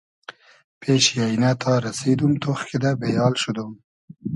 پېشی اݷنۂ تا رئسیدوم ، تۉخ کیدۂ بې آل شودوم